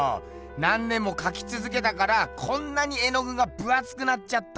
何年もかきつづけたからこんなに絵のぐが分あつくなっちゃったってことか。